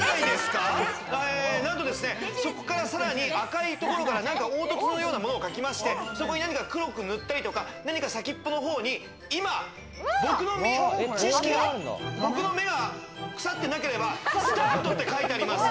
そこから、さらに赤いところから何か凹凸のようなものを描きまして、そこに何か黒く塗ったりとか、先っぽの方に今僕の知識が、僕の目が腐ってなければ、スタートって書いてあります。